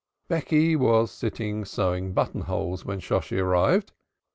Becky was sitting sewing buttonholes when Shosshi arrived.